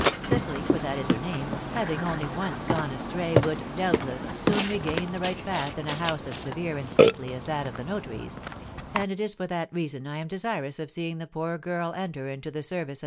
Cecily (for that is her name), having only once gone astray, would, doubtless, soon regain the right path in a house as severe and saintly as that of the notary's; and it is for that reason I am desirous of seeing the poor girl enter into the service of M.